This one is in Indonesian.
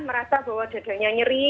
merasa bahwa dadanya nyeri